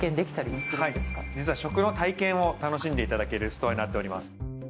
はい実は食の体験を楽しんでいただけるストアになっております。